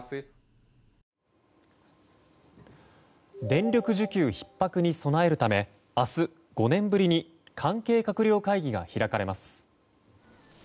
電力需給ひっ迫に備えるため明日、５年ぶりに関係閣僚会議が開かれます。